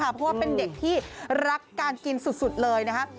เพราะว่าเป็นเด็กที่รักการกินสุดเลยนะคะ